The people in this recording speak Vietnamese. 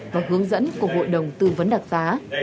và hướng dẫn của bộ đồng tư vấn đặc sá